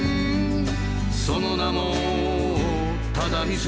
「その名も只見線」